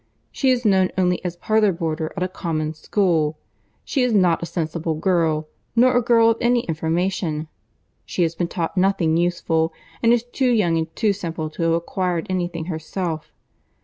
She is known only as parlour boarder at a common school. She is not a sensible girl, nor a girl of any information. She has been taught nothing useful, and is too young and too simple to have acquired any thing herself.